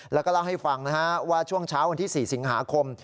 แล้วก็เล่าให้ฟังว่าช่วงเช้าวันที่๔สิงหาคม